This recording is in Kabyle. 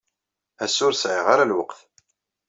Ass-a, ur sɛiɣ ara lweqt.